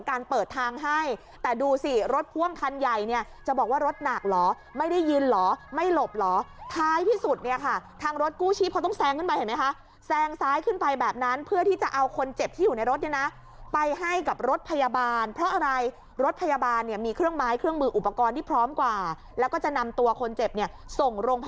เปิดทางให้แต่ดูสิรถพ่วงคันใหญ่เนี่ยจะบอกว่ารถหนักเหรอไม่ได้ยินเหรอไม่หลบเหรอท้ายที่สุดเนี่ยค่ะทางรถกู้ชีพเขาต้องแซงขึ้นมาเห็นไหมคะแซงซ้ายขึ้นไปแบบนั้นเพื่อที่จะเอาคนเจ็บที่อยู่ในรถเนี่ยนะไปให้กับรถพยาบาลเพราะอะไรรถพยาบาลเนี่ยมีเครื่องไม้เครื่องมืออุปกรณ์ที่พร้อมกว่าแล้วก็จะนำตัวคนเจ็บเนี่ยส่งโรงพ